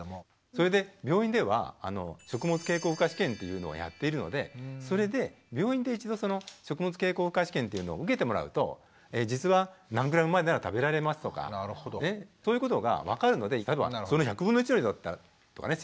それで病院では食物経口負荷試験っていうのをやっているのでそれで病院で一度その食物経口負荷試験っていうのを受けてもらうと実は何グラムまでなら食べられますとかそういうことが分かるのでその１００分の１の量だったらとかね